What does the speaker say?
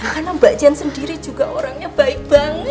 karena mbak jeng sendiri juga orangnya baik banget